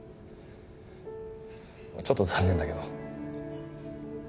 ちょっと残念だけど。